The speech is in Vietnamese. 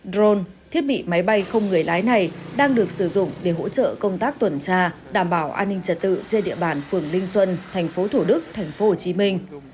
drone thiết bị máy bay không người lái này đang được sử dụng để hỗ trợ công tác tuần tra đảm bảo an ninh trật tự trên địa bàn phường linh xuân thành phố thủ đức thành phố hồ chí minh